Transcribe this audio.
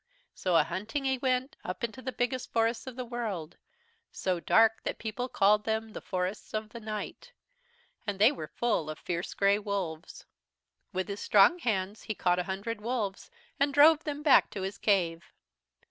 "So a hunting he went, up into the biggest forests of the world, so dark that people called them 'the Forests of Night.' And they were full of fierce grey wolves. "With his strong hands he caught a hundred wolves and drove them back to his cave.